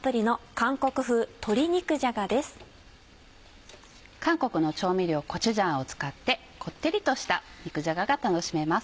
韓国の調味料コチュジャンを使ってこってりとした肉じゃがが楽しめます。